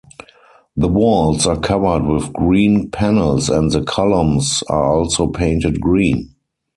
The walls are covered with green panels and the columns are also painted green.